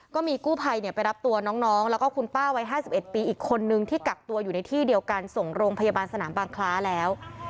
ก็มีกู้ภัยไปรับตัวน้องแล้วก็คุณป้าวัย๕๑ปีอีกคนนึงที่กักตัวอยู่ในที่เดียวกันส่งโรงพยาบาลสนามบางคล้าแล้ว